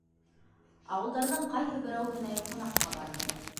Ауылдарҙың ҡайһы берәүһенә ҡунаҡҡа барҙы.